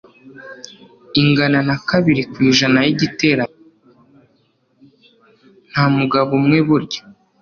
nta mugabo umwe burya